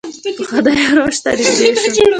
پخوانو روش ته نږدې شو.